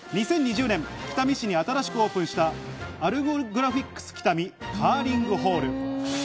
２０２０年、北見市に新しくオープンしたアルゴグラフィックス北見カーリングホール。